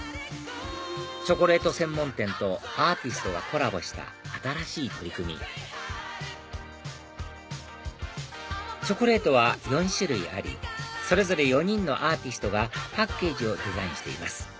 チョコレート専門店とアーティストがコラボした新しい取り組みチョコレートは４種類ありそれぞれ４人のアーティストがパッケージをデザインしています